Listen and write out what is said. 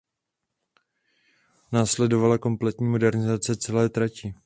Následovala kompletní modernizace celé trati.